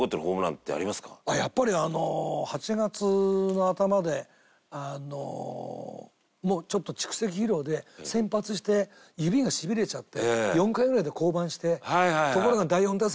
やっぱりあの８月の頭であのちょっと蓄積疲労で先発して指がしびれちゃって４回ぐらいで降板して。